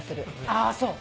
ああそう。